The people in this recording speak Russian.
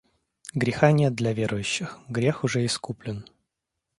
Греха нет для верующих, грех уже искуплен.